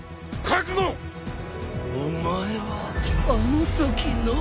お前はあのときの。